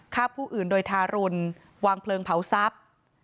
ฆ่าผู้อื่นโดยทารุณวางเพลิงเผาทรัพย์